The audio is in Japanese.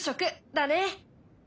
だね。